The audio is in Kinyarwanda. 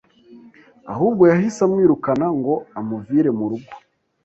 ahubwo yahise amwirukana ngo amuvire mu rugo.